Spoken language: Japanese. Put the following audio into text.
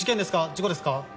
事故ですか？